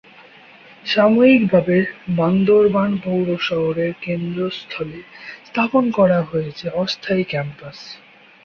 সাময়িকভাবে বান্দরবান পৌর শহরের কেন্দ্রস্থলে স্থাপন করা হয়েছে অস্থায়ী ক্যাম্পাস।